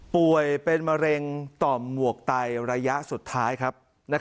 ป่วยเป็นมะเร็งต่อหมวกไตระยะสุดท้ายครับ